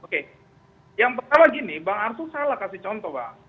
oke yang pertama gini bang arsul salah kasih contoh bang